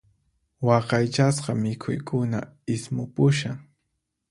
Waqaychasqa mikhuykuna ismupushan.